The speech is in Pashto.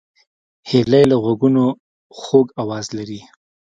هیلۍ له غوږونو خوږ آواز لري